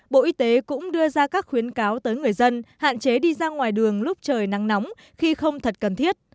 bộ y tế cũng đưa ra các khuyến cáo tới người dân hạn chế đi ra ngoài đường lúc trời nắng nóng khi không thật cần thiết